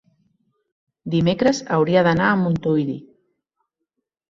Dimecres hauria d'anar a Montuïri.